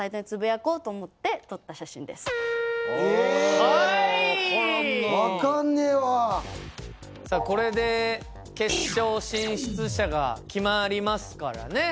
・あわからんな・さあこれで決勝進出者が決まりますからね！